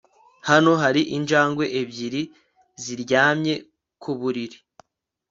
Hano hari injangwe ebyiri ziryamye ku buriri